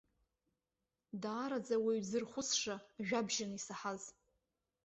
Даараӡа уаҩ дзырхәыцша ажәабжьын исаҳаз.